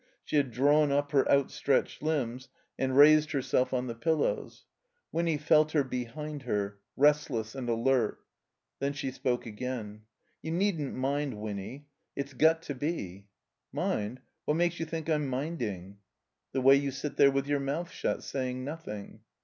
She had drawn up her outstretched limbs and raised herself on the ii6 THE COMBINED MAZE pillows. Winny felt her behind her, restless and alert. Then she spoke agam. •'You needn't mind, Winny. It's got to be.'* "Mind? What makes you think I'm minding?" "The way you sit there with your mouth shut, saying nothing."